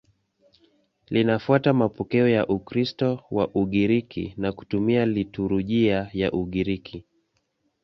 Linafuata mapokeo ya Ukristo wa Ugiriki na kutumia liturujia ya Ugiriki.